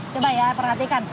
coba ya perhatikan